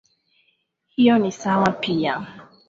Hiyo ni sawa pia.